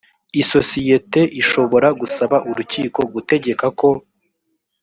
isosiyete ishobora gusaba urukiko gutegeka ko